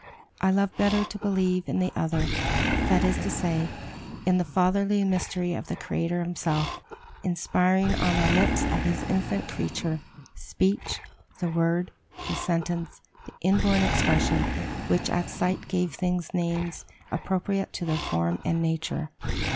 I love better to believe in the other; that is to say, in the fatherly mystery of the Creator himself, inspiring on the lips of his infant creature, speech; the word, the sentence, the inborn expression, which at sight gave things names appropriate to their form and nature."